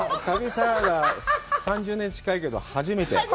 旅サラダ、３０年近いけど、初めて。